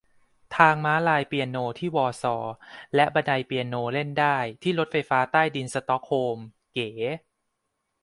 ทางม้าลายเปียโนที่ วอร์ซอว์ และบันไดเปียโน เล่นได้ ที่รถไฟใต้ดินสต็อกโฮล์ม เก๋